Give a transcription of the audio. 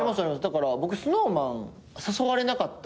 だから僕ＳｎｏｗＭａｎ誘われなかったら辞めてました。